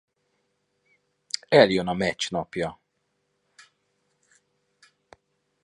Eljön a meccs napja.